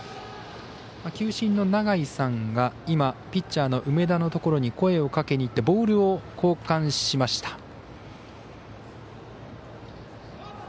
球審の永井さんがピッチャーの梅田のところに声をかけにってボールを交換しました。